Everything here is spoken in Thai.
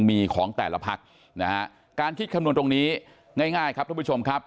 มีของแต่ละพักนะฮะการคิดคำนวณตรงนี้ง่ายครับทุกผู้ชมครับ